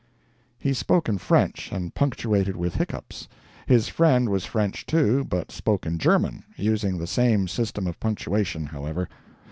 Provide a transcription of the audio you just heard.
He spoke in French, and punctuated with hiccoughs. His friend was French, too, but spoke in German using the same system of punctuation, however.